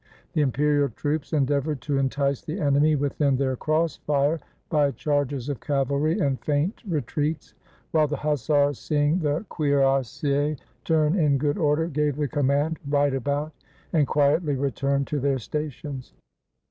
The imperial troops endeavored to entice the enemy within their cross fire by charges of cavalry and feint retreats; while the hussars, seeing the cuirassiers turn in good order, gave the' command, "Right about!" and quietly returned to their stations.